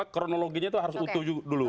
kronologinya itu harus utuh dulu